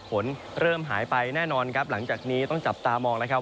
ฝนเริ่มหายไปแน่นอนครับหลังจากนี้ต้องจับตามองแล้วครับ